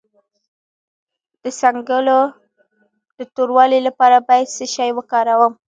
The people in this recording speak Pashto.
د څنګلو د توروالي لپاره باید څه شی وکاروم؟